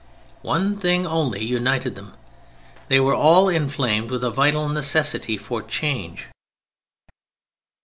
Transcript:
One thing only united them. They were all inflamed with a vital necessity for change.